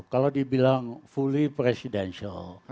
kalau dibilang fully presidential